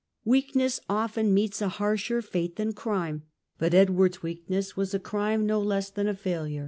Weakness often meets a harsher fate than crime, but Edward's weakness was a crime no less than a failure.